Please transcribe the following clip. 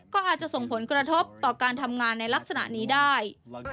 ก็อาจจะส่งผลกระทบต่อการทำงานในลักษณะนี้ได้